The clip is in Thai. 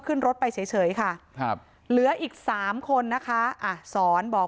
ขึ้นรถไปเฉยค่ะครับเหลืออีกสามคนนะคะอ่ะสอนบอก